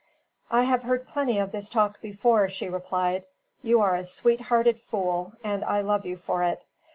"I have heard plenty of this talk before," she replied. "You are a sweet hearted fool, and I love you for it.